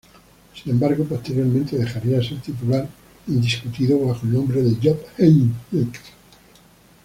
Sin embargo, posteriormente dejaría de ser titular indiscutido bajo el mando de Jupp Heynckes.